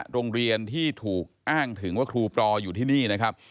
โรงเรียนที่ถูกอ้างถึงว่าครูปรออยู่ที่นี่นะครับ